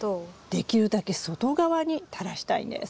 できるだけ外側に垂らしたいんです。